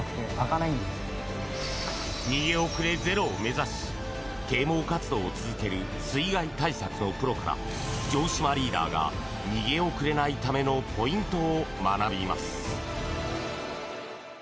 逃げ遅れゼロを目指し啓蒙活動を続ける水害対策のプロから城島リーダーが逃げ遅れないためのポイントを学びます。